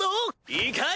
いいかい？